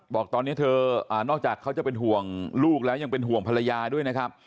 บอกตอนนี้เธอนอกจากเขาจะเป็นห่วงลูกแล้วยังเป็นห่วงภรรยาด้วยนะครับ